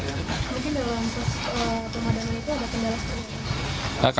mungkin dalam pemadaman itu ada kendala seterusnya